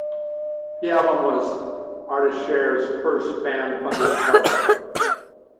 The album was ArtistShare's first fan-funded project.